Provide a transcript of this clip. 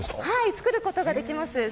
作ることができます。